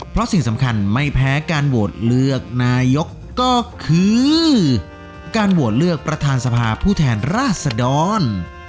เพราะสิ่งสำคัญไม่แพ้การโหวตเลือกนายกก็คือการโหวตเลือกประธานสภาผู้แทนราชดร